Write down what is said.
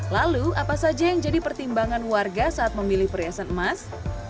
lalu apa saja yang jadi pertimbangan warga saat memilih perhiasan emas